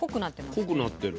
濃くなってる。